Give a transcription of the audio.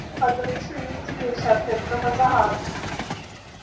Падручны не здзівіўся ад гэткага загаду.